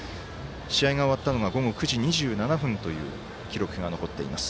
試合が終わったのは午後９時２７分という記録が残っています。